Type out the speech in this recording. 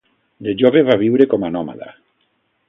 De jove va viure com a nòmada.